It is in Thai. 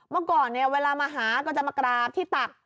เมื่อก่อนเนี่ยเวลามาหาก็จะมากราบที่ตัก